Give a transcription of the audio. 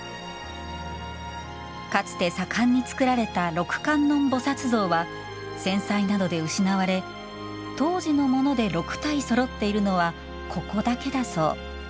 かつて盛んに造られた六観音菩薩像は戦災などで失われ当時のもので六体そろっているのはここだけだそう。